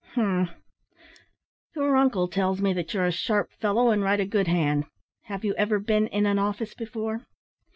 "Umph! Your uncle tells me that you're a sharp fellow, and write a good hand. Have you ever been in an office before?"